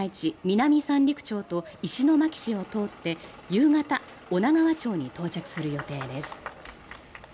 南三陸町と石巻市を通って夕方女川町に到着する予定です。